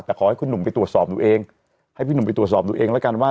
แต่ขอให้คุณหนุ่มไปตรวจสอบดูเองให้พี่หนุ่มไปตรวจสอบดูเองแล้วกันว่า